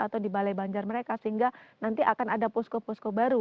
atau di balai banjar mereka sehingga nanti akan ada posko posko baru